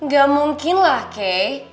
gak mungkin lah keh